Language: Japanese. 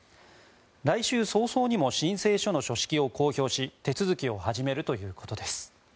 来週早々にも申請書の書式を公表し手続きを始めるということです。